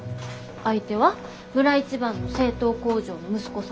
相手は村一番の製糖工場の息子さんで。